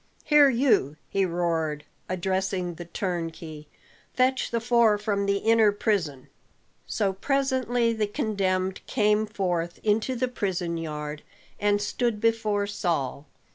Here you," he roared, addressing the turnkey, "fetch the four from the inner prison." So presently the condemned came forth into the prison yard, and stood before Saul.